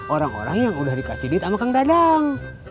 orang orang yang udah dikasih duit sama kang dadang